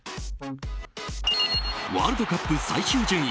ワールドカップ最終順位